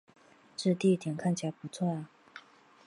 这地点看起来不错啊